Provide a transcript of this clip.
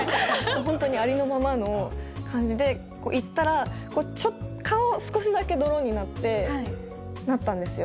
本当にありのままの感じで行ったら顔少しだけ泥になってなったんですよ。